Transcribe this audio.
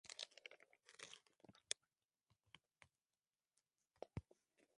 Sus estudios y escritos abarcan una gran amplitud de temas.